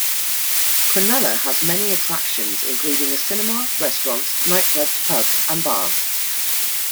Cronulla has many attractions including a cinema, restaurants, nightclubs, pubs and bars.